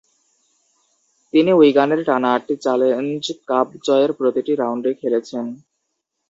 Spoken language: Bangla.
তিনি উইগানের টানা আটটি চ্যালেঞ্জ কাপ জয়ের প্রতিটি রাউন্ডে খেলেছেন।